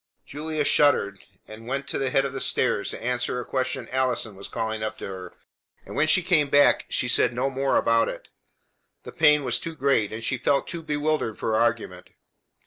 Julia Cloud shuddered, and went to the head of the stairs to answer a question Allison was calling up to her; and, when, she came back, she said no more about it. The pain was too great, and she felt too bewildered for argument.